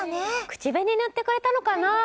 口紅、塗ってくれたのかな？